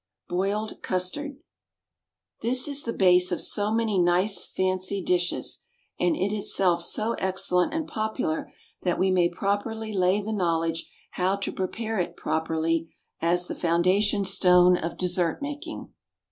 Boiled Custard. This is the base of so many nice "fancy dishes," and is itself so excellent and popular that we may properly lay the knowledge how to prepare it properly as the foundation stone of dessert making.